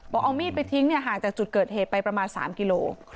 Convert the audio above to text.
เอามีดไปทิ้งห่างจากจุดเกิดเหตุไปประมาณ๓กิโล